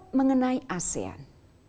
ke empat mengenai asean